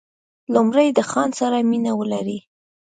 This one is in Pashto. لومړی د ځان سره مینه ولرئ .